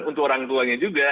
untuk orang tuanya juga